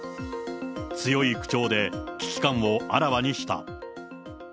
強い口調で危機感をあらわにした。